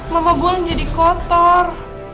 mama gue jadi kotor